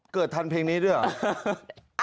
เกิดกำลังแค่เพียงนี้ด้วยหรอ